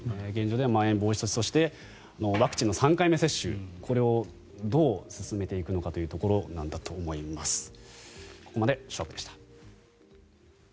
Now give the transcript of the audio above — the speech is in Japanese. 現状ではまん延防止措置そして、ワクチンの３回目接種これをどう進めていくのかというところなんだと思います。